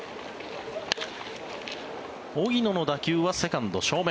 荻野の打球はセカンド正面。